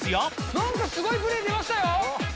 なんか、すごいプレー出ましたよ。